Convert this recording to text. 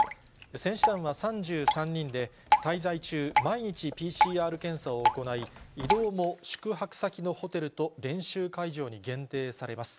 選手団は３３人で、滞在中、毎日、ＰＣＲ検査を行い、移動も宿泊先のホテルと練習会場に限定されます。